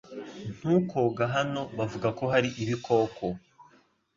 Ntukoga hano bavuga ko hari ibikoko